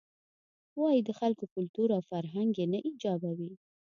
وایې د خلکو کلتور او فرهنګ یې نه ایجابوي.